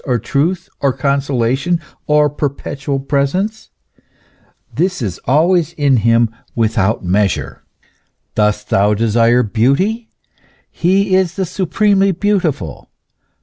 215 truth, or consolation, or perpetual presence, this is always in Him without measure. Dost thou desire beauty He is the supremely beautiful.